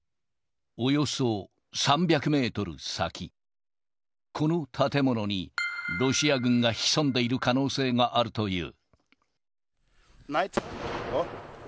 およそ３００メートル先、この建物にロシア軍が潜んでいる可能性があるという。